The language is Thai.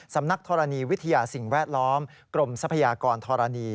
สำนักธรณีวิทยาสิ่งแวดล้อมกรมทรัพยากรธรณี